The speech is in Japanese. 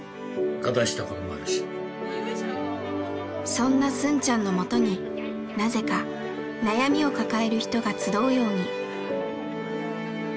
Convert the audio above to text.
そんなスンちゃんのもとになぜか悩みを抱える人が集うように。